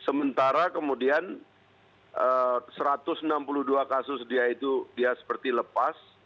sementara kemudian satu ratus enam puluh dua kasus dia itu dia seperti lepas